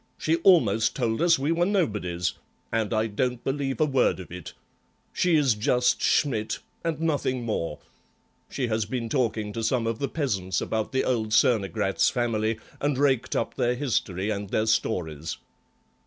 She almost told us we were nobodies, and I don't believe a word of it. She is just Schmidt and nothing more. She has been talking to some of the peasants about the old Cernogratz family, and raked up their history and their stories."